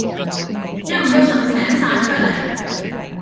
一五一十請曬出嚟